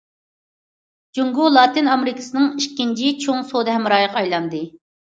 جۇڭگو لاتىن ئامېرىكىسىنىڭ ئىككىنچى چوڭ سودا ھەمراھىغا ئايلاندى.